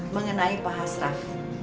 mengenai pak hasraf